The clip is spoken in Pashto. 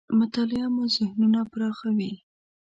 مطالعه مو ذهنونه پراخوي .